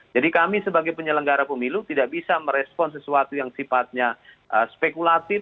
jadi kami sebagai penyelenggara pemilu tidak bisa merespon sesuatu yang sifatnya spekulatif